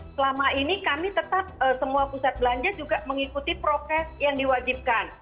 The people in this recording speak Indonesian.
selama ini kami tetap semua pusat belanja juga mengikuti prokes yang diwajibkan